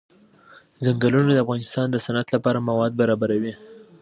ځنګلونه د افغانستان د صنعت لپاره مواد برابروي.